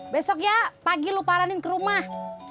besok ya pagi lu paranin ke rumah